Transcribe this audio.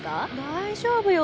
大丈夫よ。